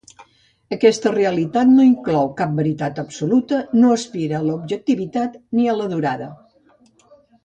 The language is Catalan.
Aquesta realitat no inclou cap veritat absoluta, no aspira a l'objectivitat, ni a la durada.